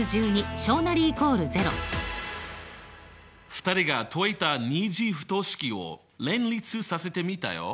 ２人が解いた２次不等式を連立させてみたよ。